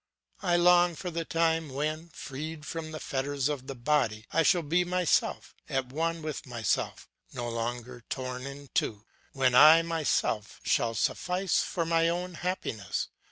I long for the time when, freed from the fetters of the body, I shall be myself, at one with myself, no longer torn in two, when I myself shall suffice for my own happiness.